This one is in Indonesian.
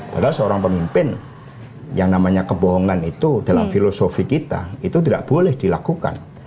padahal seorang pemimpin yang namanya kebohongan itu dalam filosofi kita itu tidak boleh dilakukan